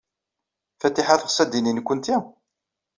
Fatiḥa teɣs ad d-tini nekkenti?